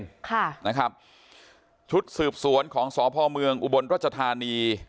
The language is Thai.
ค่ะนะครับชุดสืบสวนของสพเมืองอุบลรัชธานี